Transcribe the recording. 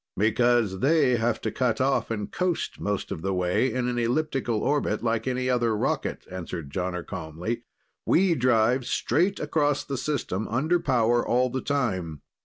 "Because they have to cut off and coast most of the way in an elliptic orbit, like any other rocket," answered Jonner calmly. "We drive straight across the system, under power all the time.